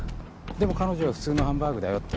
でも彼女は「普通のハンバーグだよ」って。